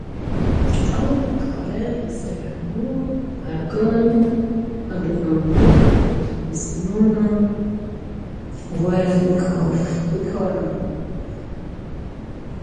Ew dikare li ser hemû pergalên xebitandinê û televizyonan were bikaranîn.